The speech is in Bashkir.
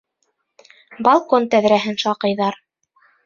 Балкон тәҙрәһен шаҡыйҙар.